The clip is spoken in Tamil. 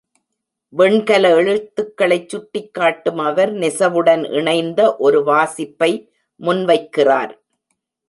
வெண்கல எழுத்துகளைச் சுட்டிக்காட்டும் அவர், நெசவுடன் இணைந்த ஒரு வாசிப்பை முன்வைக்கிறார்.